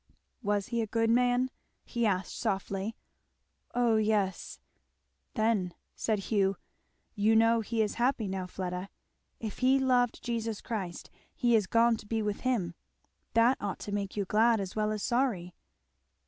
"Was he a good man?" he asked softly. "Oh yes!" "Then," said Hugh, "you know he is happy now, Fleda. If he loved Jesus Christ he is gone to be with him. That ought to make you glad as well as sorry."